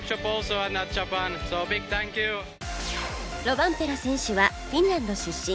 ロバンペラ選手はフィンランド出身